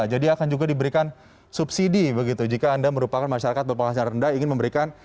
akan juga diberikan subsidi begitu jika anda merupakan masyarakat berpenghasilan rendah ingin memberikan